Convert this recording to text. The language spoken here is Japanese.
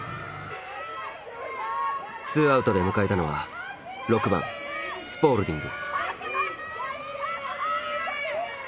ツーアウトで迎えたのは６番スポールディング。